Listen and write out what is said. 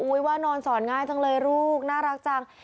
ว่านอนสอนง่ายจังเลยลูกน่ารักจัง